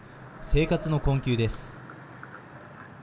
生活の困窮です。